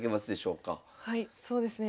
はいそうですね